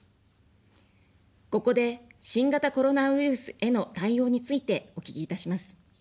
ここで、新型コロナウイルスへの対応についてお聞きいたします。